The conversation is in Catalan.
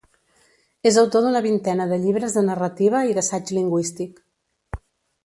És autor d'una vintena de llibres de narrativa i d'assaig lingüístic.